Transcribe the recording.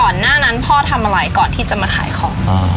หน้านั้นพ่อทำอะไรก่อนที่จะมาขายของ